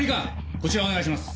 こちらお願いします。